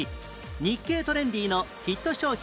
『日経トレンディ』のヒット商品